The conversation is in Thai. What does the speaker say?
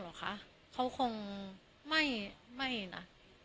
นั่งข้างเหรอคะเขาคงไม่นะ